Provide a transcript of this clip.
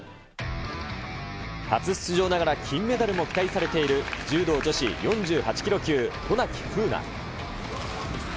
初出場ながら金メダルも期待されている、柔道女子４８キロ級、渡名喜風南。